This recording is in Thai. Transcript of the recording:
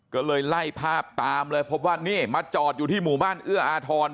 ก็เลยไล่ภาพตามเลยพบว่านี่มาจอดอยู่ที่หมู่บ้านเอื้ออาทร